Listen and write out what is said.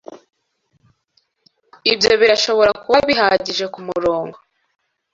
ibyo birashobora kuba bihagije kumurongo